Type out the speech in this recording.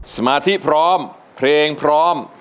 สมาธิพร้อมเพลงพร้อม